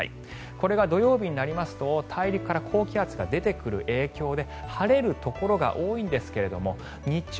これが土曜日になりますと大陸から高気圧が出てくる影響で晴れるところが多いんですが日中、